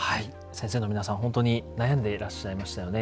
先生の皆さん本当に悩んでいらっしゃいましたよね。